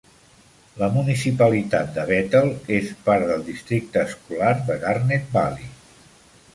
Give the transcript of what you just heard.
La municipalitat de Bethel és part del districte escolar de Garnet Valley.